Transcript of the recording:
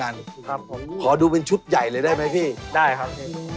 ครับผมขอดูเป็นชุดใหญ่เลยได้ไหมพี่ได้ครับ